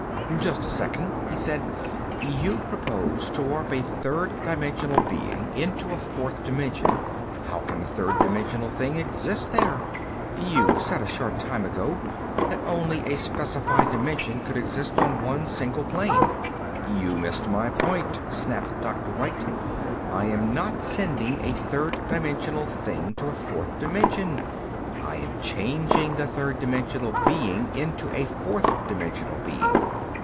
"Just a second," he said. "You propose to warp a third dimensional being into a fourth dimension. How can a third dimensional thing exist there? You said a short time ago that only a specified dimension could exist on one single plane." "You have missed my point," snapped Dr. White. "I am not sending a third dimensional thing to a fourth dimension. I am changing the third dimensional being into a fourth dimensional being.